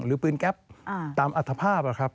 หรือปืนแก๊ปตามอัธภาพครับ